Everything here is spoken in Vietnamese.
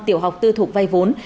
tiểu học tư thuộc vai vốn